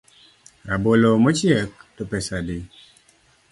Rabolo mochiek to pesa adi?